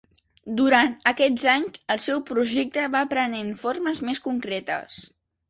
Durant aquests anys el seu projecte va prenent formes més concretes.